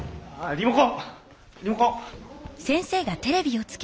リモコン。